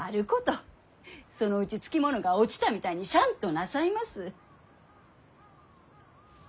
そのうちつきものが落ちたみたいにシャンとなさいます。